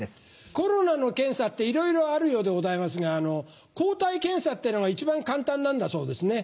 コロナの検査っていろいろあるようでございますが抗体検査ってのが一番簡単なんだそうですね。